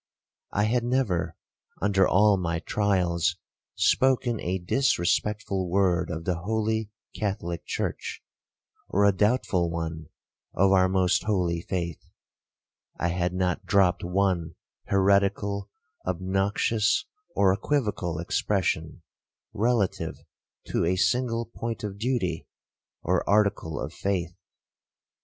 I had never, under all my trials, spoken a disrespectful word of the holy Catholic church, or a doubtful one of our most holy faith,—I had not dropped one heretical, obnoxious, or equivocal expression, relative to a single point of duty, or article of faith.